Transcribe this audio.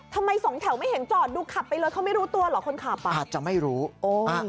ทำไมสองแถวไม่เห็นจอดดูขับไปเลยเขาไม่รู้ตัวหรอกคนขับ